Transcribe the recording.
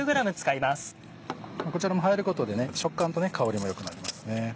こちらも入ることで食感と香りも良くなりますね。